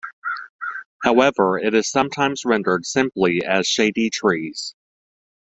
However it is sometimes rendered simply as "shady trees".